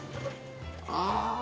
ああ！